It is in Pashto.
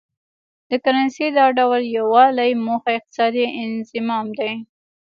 د کرنسۍ د دا ډول یو والي موخه اقتصادي انضمام دی.